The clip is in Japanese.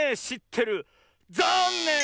ざんねん！